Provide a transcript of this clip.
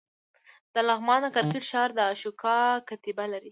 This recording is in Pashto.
د لغمان د کرکټ ښار د اشوکا کتیبه لري